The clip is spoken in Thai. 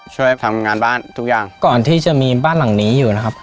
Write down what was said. ช่วยทำงานบ้านทุกอย่างก่อนที่จะมีบ้านหลังนี้อยู่นะครับ